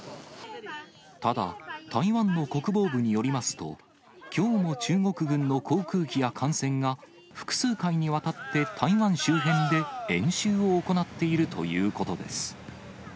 ただ、台湾の国防部によりますと、きょうも中国軍の航空機や艦船が、複数回にわたって台湾周辺で演習を行っているということです。